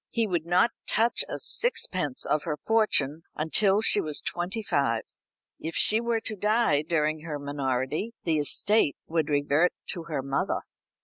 He would not touch a sixpence of her fortune until she was twenty five. If she were to die during her minority the estate would revert to her mother.